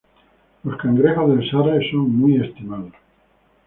Los cangrejos del Sarre son muy estimados.